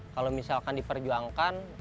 kalau misalkan diperjuangkan